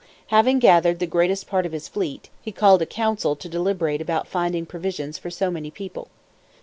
Having gathered the greatest part of his fleet, he called a council to deliberate about finding provisions for so many people.